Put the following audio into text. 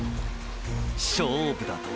“勝負”だと？